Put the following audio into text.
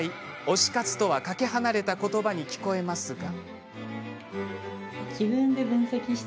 推し活とはかけ離れた言葉に聞こえますが。